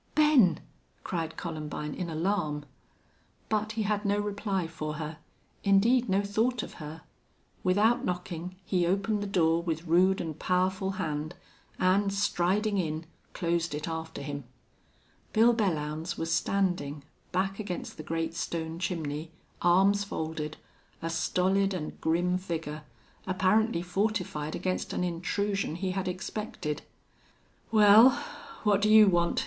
"Ben!" cried Columbine, in alarm. But he had no reply for her indeed, no thought of her. Without knocking, he opened the door with rude and powerful hand, and, striding in, closed it after him. Bill Belllounds was standing, back against the great stone chimney, arms folded, a stolid and grim figure, apparently fortified against an intrusion he had expected. "Wal, what do you want?"